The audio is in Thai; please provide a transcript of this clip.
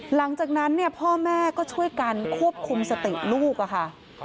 หลังจากนั้นเนี่ยพ่อแม่ก็ช่วยกันควบคุมสติลูกค่ะ